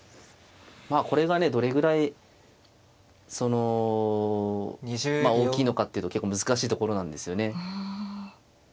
これがねどれぐらいその大きいのかっていうと結構難しいところなんですよね。